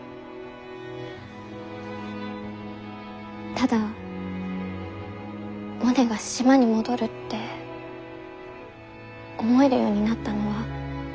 ただモネが島に戻るって思えるようになったのは。